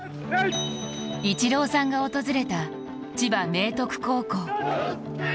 イチローさんが訪れた千葉明徳高校